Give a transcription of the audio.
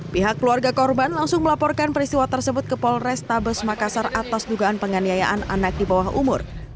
pihak keluarga korban langsung melaporkan peristiwa tersebut ke polrestabes makassar atas dugaan penganiayaan anak di bawah umur